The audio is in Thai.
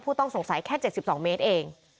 ต้องสงสัยแค่๗๒เมตรเอง